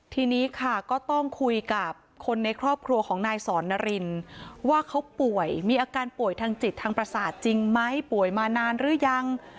ทีนี้ค่ะก็ต้องคุยกับคนในครอบครัวของนายสอนนารินว่าเขาป่วยมีอาการป่วยทางจิตทางประสาทจริงไหมป่วยมานานหรือยัง